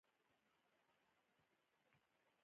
د حیواناتو تولیدات باید له معیاري لارو بازار ته واستول شي.